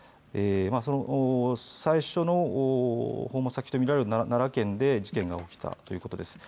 その最初の訪問先とみられる奈良県で事件が起きたということです。